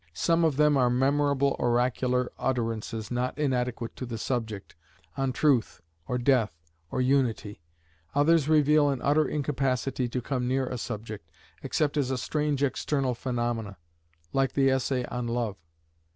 Some of them are memorable oracular utterances not inadequate to the subject, on Truth or Death or Unity. Others reveal an utter incapacity to come near a subject, except as a strange external phenomena, like the essay on Love.